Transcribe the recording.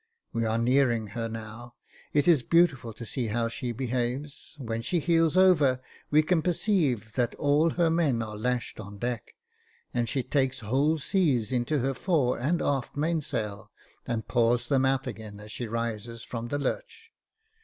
We are nearing her now. It is beautiful to see how she behaves : when she heels over, we can perceive that all her men are lashed on deck, and she takes whole seas into her fore and aft mainsail, and pours them out again as she rises from the lurch.